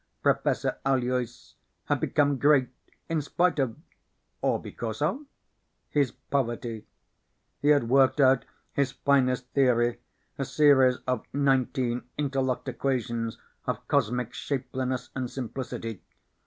Professor Aloys had become great in spite of or because of? his poverty. He had worked out his finest theory, a series of nineteen interlocked equations of cosmic shapeliness and simplicity.